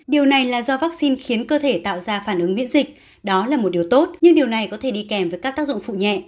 điều này là do vaccine khiến cơ thể tạo ra phản ứng miễn dịch đó là một điều tốt nhưng điều này có thể đi kèm với các tác dụng phụ nhẹ